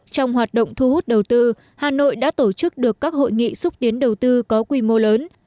trong hoạt động thu hút đầu tư hà nội đã tổ chức được các hội nghị xúc tiến đầu tư có quy mô lớn